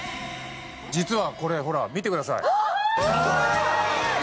実はこれほら見てください。